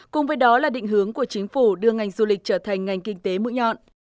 cùng với đó là định hướng của chính phủ đưa ngành du lịch trở thành ngành kinh tế mũi nhọn